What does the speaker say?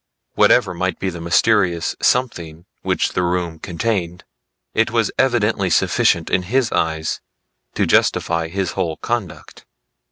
Whatever might be the mysterious something which the room contained, it was evidently sufficient in his eyes to justify his whole conduct.